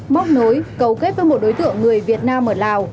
móc nối cầu kết với một đối tượng người việt nam ở lào